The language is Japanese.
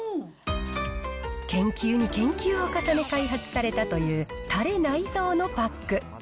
研究に研究を重ね、開発されたという、たれ内蔵のパック。